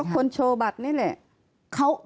คนโชว์บัตรนี่แหละ